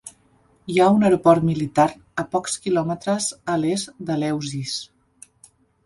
Hi ha un aeroport militar a pocs quilòmetres a l'est d'Eleusis.